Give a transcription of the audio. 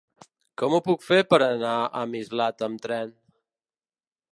Com ho puc fer per anar a Mislata amb tren?